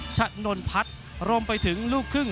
ชะนนพัฒน์รวมไปถึงลูกครึ่ง